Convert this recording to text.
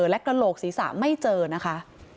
และกระโหลกศีรษะไม่เจอนะคะ